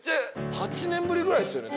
８年ぶりぐらいですよね？